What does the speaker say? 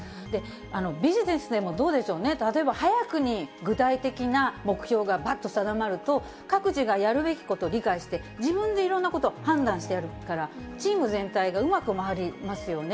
ビジネスでもどうでしょうね、例えば早くに具体的な目標がばっと定まると、各自がやるべきことを理解して、自分でいろんなこと、判断してやるから、チーム全体がうまく回りますよね。